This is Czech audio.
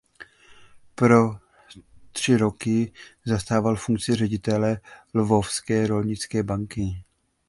Po tři roky zastával funkci ředitele lvovské rolnické banky.